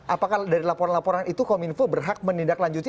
apakah dari laporan laporan itu kominfo berhak menindaklanjuti